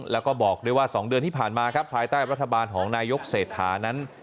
แล้วก็บอกด้วยว่า๒เดือนที่ผ่านมาครับภายใต้รัฐบาลของนายกเศรษฐานั้น